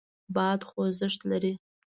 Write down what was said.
باد خوځښت لري.